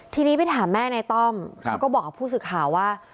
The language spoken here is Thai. ทีนี้ไปถามแม่ในต้อมเขาก็บอกกับผู้สื่อข่าวว่า